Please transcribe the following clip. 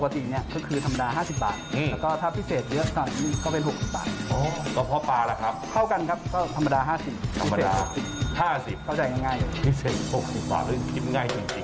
ธรรมดา๖๐บ่าเลิกชิมง่ายจริง